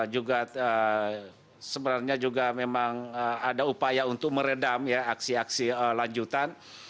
juga sebenarnya juga memang ada upaya untuk meredam ya aksi aksi lanjutan